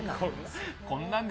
こんなんで。